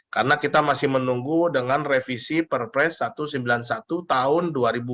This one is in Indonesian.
karena kita masih menunggu dengan revisi perpres satu ratus sembilan puluh satu tahun dua ribu empat belas